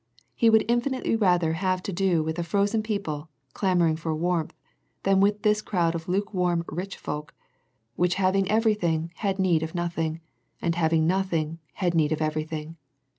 He would in finitely rather have had to do with a frozen people, clamouring for warmth, than with this crowd of lukewarm rich folk, which having everything had need of nothing, and having nothing had need of everything.